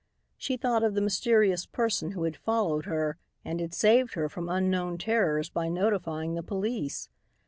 She thought of the mysterious person who had followed her and had saved her from unknown terrors by notifying the police.